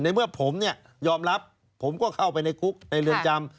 เมื่อผมเนี่ยยอมรับผมก็เข้าไปในคุกในเรือนจำ